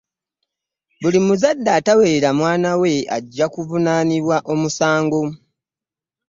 Buli muzadde atawerela mwanawe ajja kuvunaniibwa omusango.